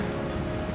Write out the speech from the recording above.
gak mungkin dong